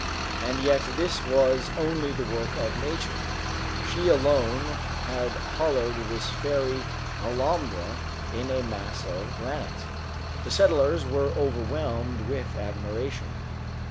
And yet this was only the work of nature. She alone had hollowed this fairy Alhambra in a mass of granite. The settlers were overwhelmed with admiration.